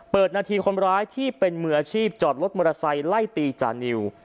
นาทีคนร้ายที่เป็นมืออาชีพจอดรถมอเตอร์ไซค์ไล่ตีจานิว